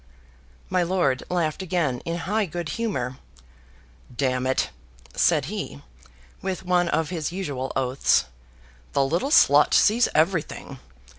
My lord laughed again, in high good humor. "D it!" said he, with one of his usual oaths, "the little slut sees everything.